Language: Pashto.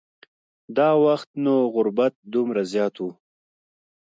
دا وخت نو غربت دومره زیات و.